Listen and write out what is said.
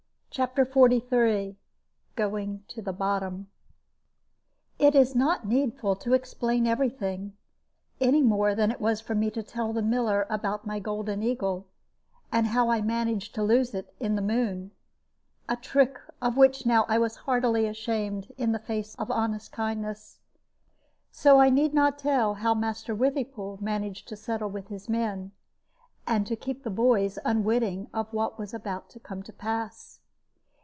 CHAPTER XLIII GOING TO THE BOTTOM It is not needful to explain every thing, any more than it was for me to tell the miller about my golden eagle, and how I had managed to lose it in the Moon a trick of which now I was heartily ashamed, in the face of honest kindness. So I need not tell how Master Withypool managed to settle with his men, and to keep the boys unwitting of what was about to come to pass.